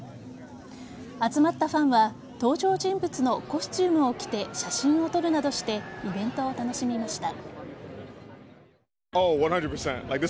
集まったファンは登場人物のコスチュームを着て写真を撮るなどしてイベントを楽しみました。